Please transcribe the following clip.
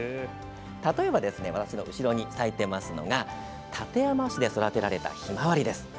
例えば私の後ろに咲いてるのが館山市で育てられたヒマワリです。